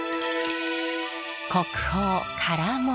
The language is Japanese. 国宝唐門。